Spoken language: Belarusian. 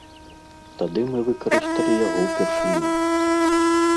Тады мы выкарысталі яго ўпершыню.